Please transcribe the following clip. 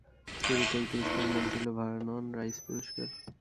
শুরুতে এই পুরস্কারের নাম ছিল ভার্নন রাইস পুরস্কার।